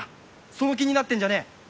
その気になってんじゃねえ。